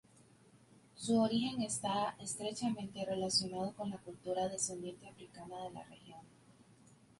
Su origen está estrechamente relacionado con la cultura descendiente africana de la región.